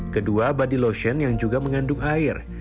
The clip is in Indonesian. kedua body lotion yang juga mengandung air